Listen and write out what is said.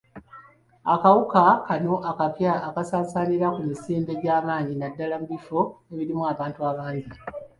Akawuka kano akapya kasaasaanira ku misinde gya maanyi, naddala mu bifo ebirimu abantu abangi.